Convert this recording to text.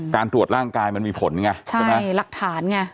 การตรวจร่างกายมันมีผลไงใช่ไหมใช่หลักฐานไง